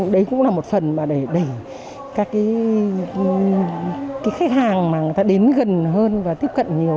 đấy cũng là một phần mà để các cái khách hàng mà người ta đến gần hơn và tiếp cận nhiều